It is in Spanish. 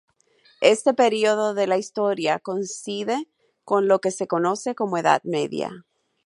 Este período de la historia coincide con lo que se conoce como Edad Media.